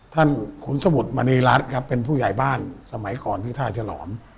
ท่านขุนสมุทรมณีรัฐเป็นผู้ใหญ่บ้านสมัยก่อนพิท่าฉลอม